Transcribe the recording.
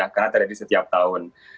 karena terjadi setiap hari